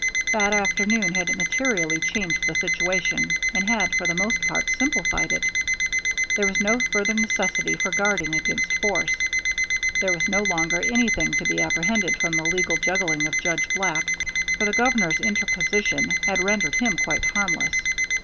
That afternoon had materially changed the situation, and had for the most part simplified it. There was no further necessity for guarding against force. There was no longer anything to be apprehended from the legal juggling of Judge Black, for the Governor's interposition had rendered him quite harmless.